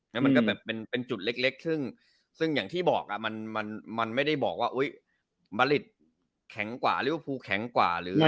มันก็เป็นจุดเล็กซึ่งอย่างที่บอกมันไม่ได้บอกว่าบริตแข็งกว่าหรือภูแข็งกว่า